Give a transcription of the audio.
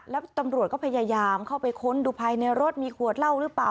แล้วตำรวจก็พยายามเข้าไปค้นดูภายในรถมีขวดเหล้าหรือเปล่า